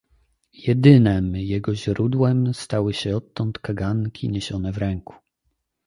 "Jedynem jego źródłem stały się odtąd kaganki, niesione w ręku."